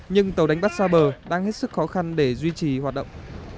nhưng tàu đánh bắt xa bờ đang hết sức khó khăn để duy trì hoạt động